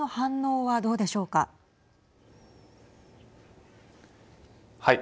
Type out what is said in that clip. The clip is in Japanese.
はい。